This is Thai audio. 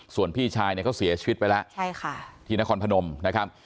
ส่วนพี่ชายเนี่ยเขาเสียชีวิตไปแล้วใช่ค่ะที่นครพนมนะครับ